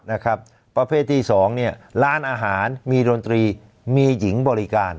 นะครับประเภทที่สองเนี่ยร้านอาหารมีดนตรีมีหญิงบริการ